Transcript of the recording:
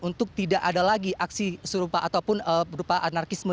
untuk tidak ada lagi aksi serupa ataupun berupa anarkisme